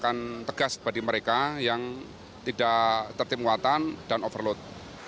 akan tegas badi mereka yang tidak tertipu muatan dan overload